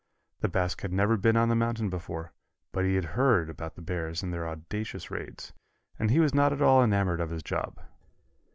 The Basque had never been on the mountain before, but he had heard about the bears and their audacious raids, and he was not at all enamored of his job.